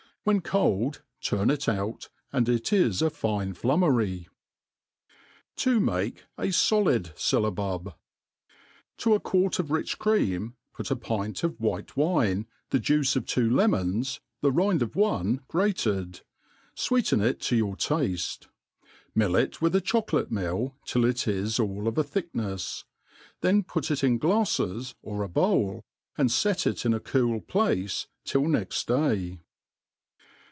When cold^ turn it out^ and it is a fine flummery, Ta make Stiid Syllabub. TO a quart of rich cream put a pint of white wine, the juice of two lemons, the rind of one grated, fweeten It to yoar taAc^ mill it with a chocolate mill till it is all of a thicknefs; then put it in glafles, or a bowl, and fet it in a cool place till next day.